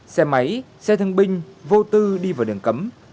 xe máy xe thương binh vô tư đi vào đường cấm